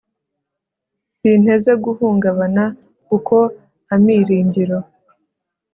sinteze guhungabana. kuko amiringiro